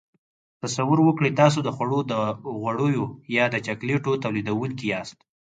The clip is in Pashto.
تصور وکړئ تاسو د خوړو د غوړیو یا د چاکلیټو تولیدوونکي یاست.